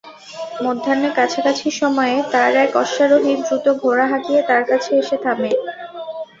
মধ্যাহ্নে কাছাকাছি সময়ে তার এক অশ্বারোহী দ্রুত ঘোড়া হাকিয়ে তার কাছে এসে থামে।